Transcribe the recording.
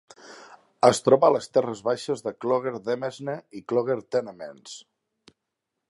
Es troba a les terres baixes de Clogher Demesne i Clogher Tenements.